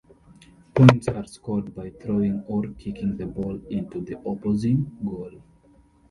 Points are scored by throwing or kicking the ball into the opposing goal.